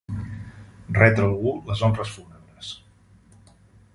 Retre a algú les honres fúnebres.